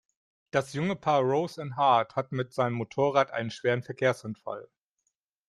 Das junge Paar Rose und Hart hat mit seinem Motorrad einen schweren Verkehrsunfall.